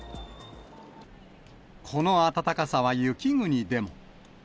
この暖かさは雪国でも。